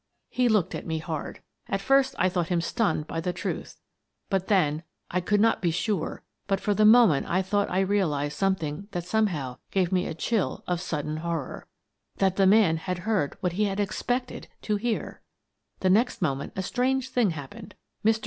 He looked at me hard. At first I thought him stunned by the truth, but then — I could not be sure, but for the moment I thought I realized some thing that somehow gave me a chill of sudden horror : That the man had heard what he had expected to heart The next moment a strange thing happened. Mr.